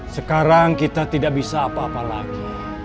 sekarang kita tidak bisa apa apa lagi